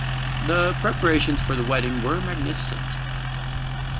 The preparations for the wedding were magnificent.